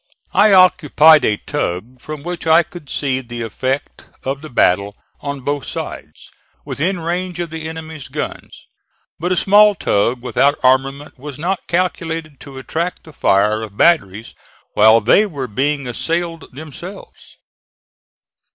I occupied a tug from which I could see the effect of the battle on both sides, within range of the enemy's guns; but a small tug, without armament, was not calculated to attract the fire of batteries while they were being assailed themselves.